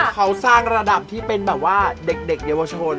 เขาสร้างระดับที่เป็นแบบว่าเด็กเยาวชน